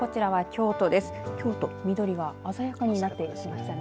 京都緑が鮮やかになっています。